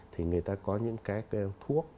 thì người ta có những cái thuốc